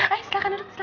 ayo silahkan duduk